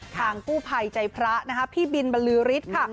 ทางกู้ภัยใจพระนะคะพี่บินบรรลือฤทธิ์ค่ะ